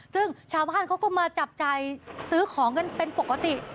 ซึ่งชาวบ้านเขาก็มาจับใจซื้อของกันเป็นปกติ